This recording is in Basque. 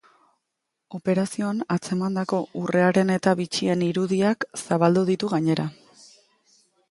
Operazioan atzemandako urreareneta bitxien irudiak zabaldu ditu gainera.